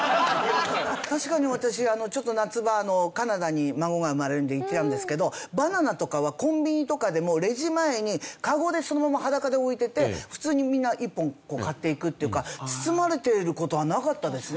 確かに私ちょっと夏場カナダに孫が生まれるので行ってたんですけどバナナとかはコンビニとかでもレジ前にかごでそのまま裸で置いてて普通にみんな１本買っていくっていうか包まれている事はなかったですね